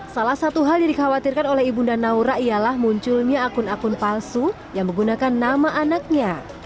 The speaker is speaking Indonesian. salah satu hal yang dikhawatirkan oleh ibunda naura ialah munculnya akun akun palsu yang menggunakan nama anaknya